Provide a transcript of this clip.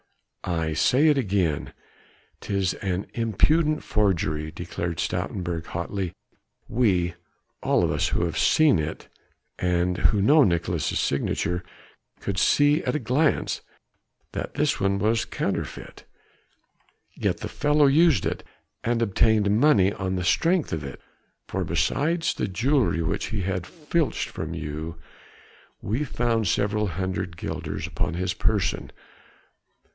"I say it again, 'tis an impudent forgery," declared Stoutenburg hotly, "we all of us who have seen it and who know Nicolaes' signature could see at a glance that this one was counterfeit. Yet the fellow used it, he obtained money on the strength of it, for beside the jewelry which he had filched from you, we found several hundred guilders upon his person.